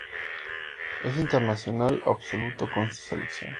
Es internacional absoluto con su selección.